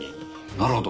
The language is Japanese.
なるほど。